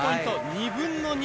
２分の２！